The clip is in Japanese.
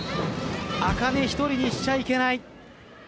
明音１人にしちゃいけない。